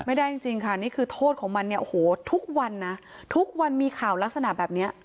ไม่ได้จริงค่ะนี่คือโทษของมันทุกวันมีข่าวลักษณะแบบนี้